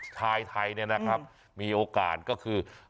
ชายไทยเนี่ยนะครับมีโอกาสก็คือ